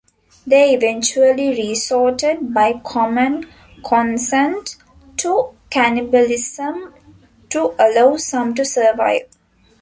They eventually resorted, by common consent, to cannibalism to allow some to survive.